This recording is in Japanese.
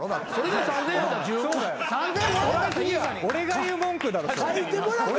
俺が言う文句だろそれ。